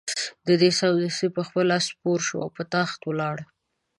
دی سمدستي پر خپل آس سپور شو او په تاخت ولاړ.